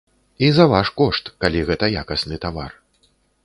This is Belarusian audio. І за ваш кошт, калі гэта якасны тавар.